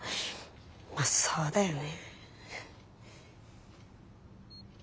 まあそうだよね。